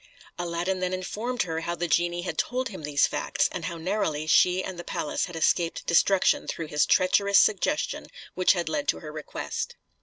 Aladdin then informed her how the genie had told him these facts, and how narrowly she and the palace had escaped destruction through his treacherous suggestion which had led to her request.